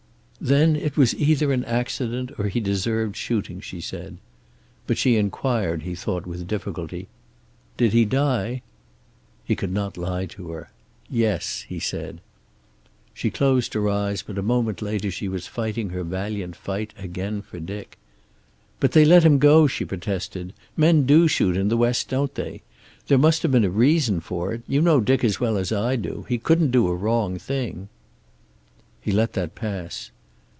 "Then it was either an accident, or he deserved shooting," she said. But she inquired, he thought with difficulty, "Did he die?" He could not lie to her. "Yes," he said. She closed her eyes, but a moment later she was fighting her valiant fight again for Dick. "But they let him go," she protested. "Men do shoot in the West, don't they? There must have been a reason for it. You know Dick as well as I do. He couldn't do a wrong thing." He let that pass.